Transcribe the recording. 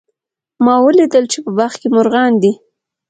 ما ولیدل چې په باغ کې مرغان دي